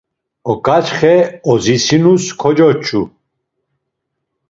Uǩaçxe odzitsinus kocoç̌u.